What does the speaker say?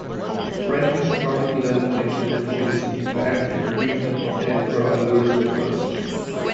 Frankish chroniclers mention that he received lands in Friesland from Emperor Louis the First.